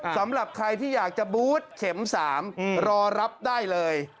สำหรับใครที่อยากจะบูธเข็ม๓รอรับได้เลย